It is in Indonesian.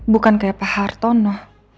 bukan kayak pak hartono